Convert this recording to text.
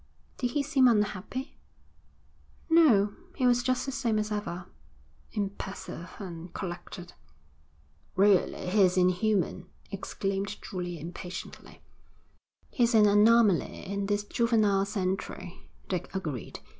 'Did he seem unhappy?' 'No. He was just the same as ever, impassive and collected.' 'Really, he's inhuman,' exclaimed Julia impatiently. 'He's an anomaly in this juvenile century,' Dick agreed.